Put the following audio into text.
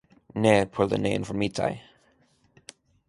Ne por la neinformitaj.